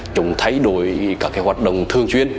chúng thay đổi các hoạt động thường chuyên